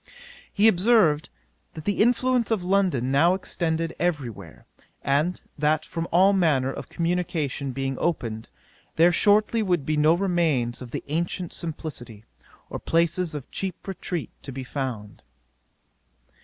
'He observed, that the influence of London now extended every where, and that from all manner of communication being opened, there shortly would be no remains of the ancient simplicity, or places of cheap retreat to be found.